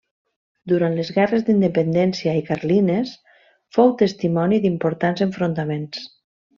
Durant les guerres d'Independència i carlines fou testimoni d'importants enfrontaments.